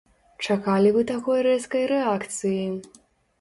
Чакалі вы такой рэзкай рэакцыі?